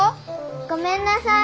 ごめんなさい。